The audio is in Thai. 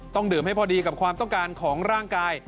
ต้องดื่มให้พอดีกับความต้องการของร่างกาย